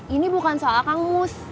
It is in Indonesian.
ini bukan soal kang mus